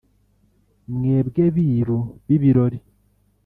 mwebwe biru b’ibirori